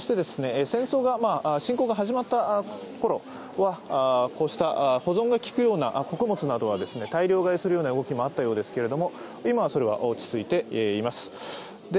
戦争が、侵攻が始まったころはこうした保存がきくような穀物などは大量買いするような動きはあったようですけど今はそれは落ち着いています。